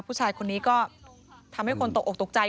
ผู้ชายคนนี้ก็ทำให้คนตกออกตกใจ